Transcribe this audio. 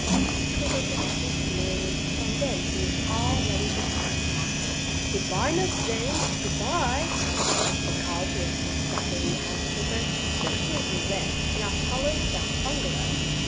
He twinkled his pink nose, and then he was all ready to start. "Good bye, Nurse Jane! Good bye!" he called to his muskrat lady housekeeper, with whom he lived in a hollow stump bungalow.